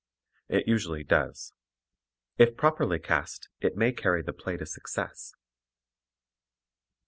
It usually does. If properly cast it may carry the play to success.